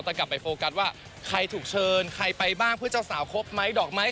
แต่กลับไปโฟกัสว่าใครถูกเชิญใครไปบ้างเพื่อเจ้าสาวครบไหมดอกไม้